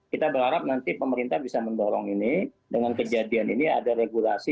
kita berharap nanti pemerintah bisa mendorong ini dengan kejadian ini ada regulasi